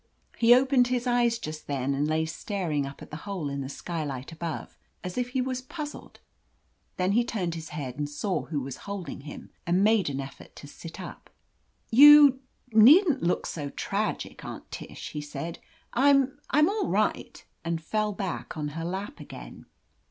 He opened his eyes just then, and lay staring up at the hole in the skylight above, as if he was puzzled. Then he turned his head and saw who was holding him, and made an effort to sit up. "You — ^needn't look so tragic, Aunt Tish," he said. "I'm — Fm all right,'' and fell back on her lap again.